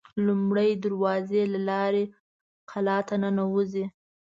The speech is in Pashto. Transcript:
لومړۍ دروازې له لارې قلا ته ننوزي.